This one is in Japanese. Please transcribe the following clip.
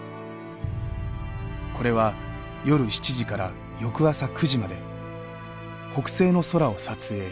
これは夜７時から翌朝９時まで北西の空を撮影。